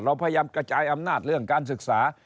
เราพยายามกระจายอำนาจเรื่องการศึกษา